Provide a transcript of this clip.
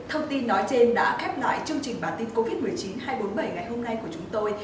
thông tin nói trên đã khép lại chương trình bản tin covid một mươi chín hai trăm bốn mươi bảy ngày hôm nay của chúng tôi